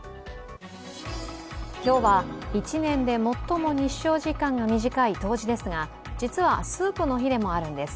今日は１年で最も日照時間が短い冬至ですが実はスープの日でもあるんです。